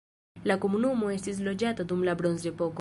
La komunumo estis loĝata dum la bronzepoko.